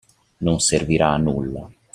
Non servirà a nulla.